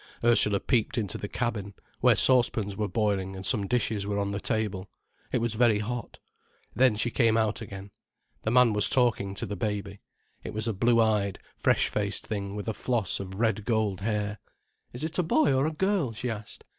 Ursula peeped into the cabin, where saucepans were boiling and some dishes were on the table. It was very hot. Then she came out again. The man was talking to the baby. It was a blue eyed, fresh faced thing with floss of red gold hair. "Is it a boy or a girl?" she asked.